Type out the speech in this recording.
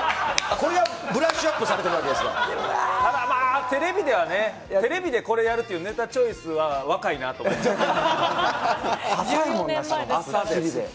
これがブラッシュアップされただまぁ、テレビではね、テレビでこれやるというネタチョイスは、若いなと思いました。